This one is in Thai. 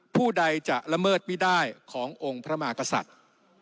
ผู้ใดจะละเมิดไม่ได้ขององค์พระมากษัตริย์